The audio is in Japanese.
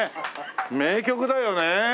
名曲だよね。